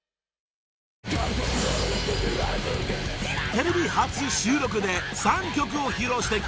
［テレビ初収録で３曲を披露してくれた